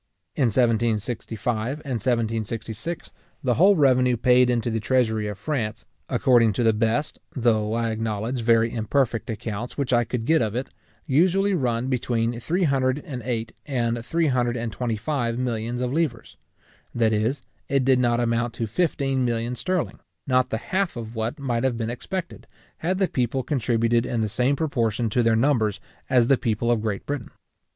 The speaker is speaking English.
In 1765 and 1766, the whole revenue paid into the treasury of France, according to the best, though, I acknowledge, very imperfect accounts which I could get of it, usually run between 308 and 325 millions of livres; that is, it did not amount to fifteen millions sterling; not the half of what might have been expected, had the people contributed in the same proportion to their numbers as the people of Great Britain.